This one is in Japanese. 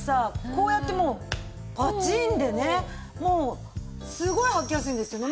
こうやってもうパチンでねもうすごい履きやすいんですよね。